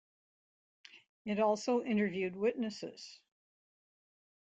It also interviewed witnesses.